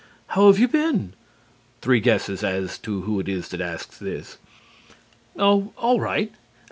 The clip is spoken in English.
"How have you been?" (Three guesses as to who it is that asks this.) "Oh, all right.